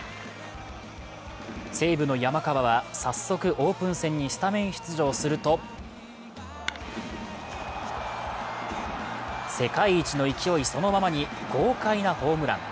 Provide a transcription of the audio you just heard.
西武の山川は早速オープン戦にスタメン出場すると世界一の勢いそのままに豪快なホームラン。